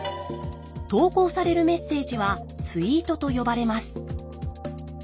投稿されるメッセージはツイートと呼ばれます。